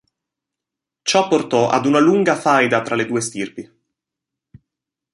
Ciò portò ad una lunga faida tra le due stirpi.